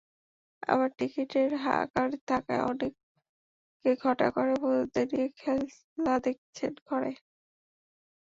আবার টিকিটের হাহাকার থাকায় অনেকে ঘটা করে বন্ধুদের নিয়ে খেলা দেখেছেন ঘরে।